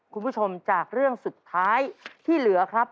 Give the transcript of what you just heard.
คุณผู้ชมจากเรื่องสุดท้ายที่เหลือครับ